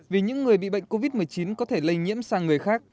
vì những người bị bệnh covid một mươi chín có thể lây nhiễm sang người khác